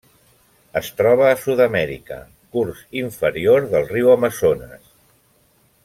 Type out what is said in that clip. Es troba a Sud-amèrica: curs inferior del riu Amazones.